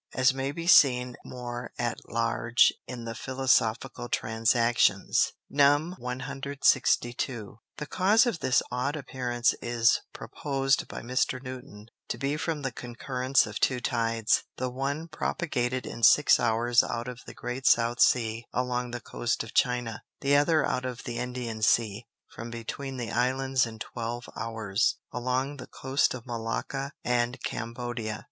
As may be seen more at large in the Philosophical Transactions, Numb. 162. The Cause of this odd Appearance is propos'd by Mr. Newton, to be from the concurrence of two Tides; the one propagated in six Hours out of the great South Sea along the Coast of China; the other out of the Indian Sea, from between the Islands in twelve Hours, along the Coast of Malacca and Cambodia.